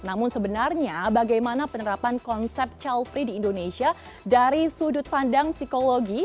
namun sebenarnya bagaimana penerapan konsep child free di indonesia dari sudut pandang psikologi